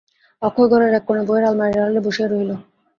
অক্ষয় ঘরের এক কোণে বইয়ের আলমারির আড়ালে বসিয়া রহিল।